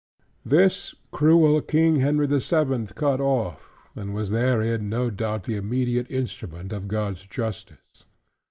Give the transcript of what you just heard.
This cruel King, Henry the Seventh cut off; and was therein (no doubt) the immediate instrument of God's justice.